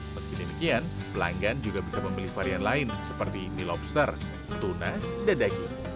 meski demikian pelanggan juga bisa memilih varian lain seperti mie lobster tuna dan daging